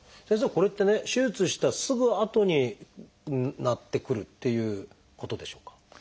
これってね手術したすぐあとになってくるっていうことでしょうか？